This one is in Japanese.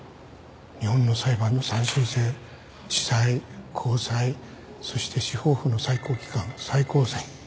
日本の裁判の三審制地裁高裁そして司法府の最高機関最高裁。